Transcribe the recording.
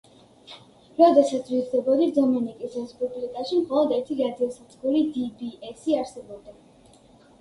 როდესაც ვიზრდებოდი დომენიკის რესპუბლიკაში, მხოლოდ ერთი რადიოსადგური დი-ბი-ესი არსებობდა.